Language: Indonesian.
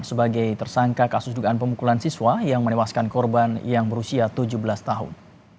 sebagai tersangka kasus dugaan pemukulan siswa yang menewaskan korban yang berusia tujuh belas tahun